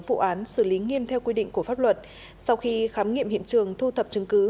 vụ án xử lý nghiêm theo quy định của pháp luật sau khi khám nghiệm hiện trường thu thập chứng cứ